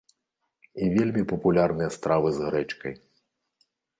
І вельмі папулярныя стравы з грэчкай.